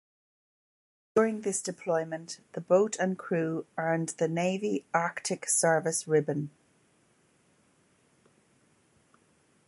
During this deployment the boat and crew earned the Navy Arctic Service Ribbon.